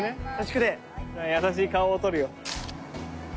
優しい顔を撮るよ。